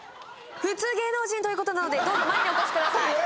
普通芸能人ということなのでどうぞ前にお越しくださいええー